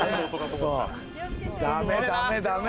ダメダメ！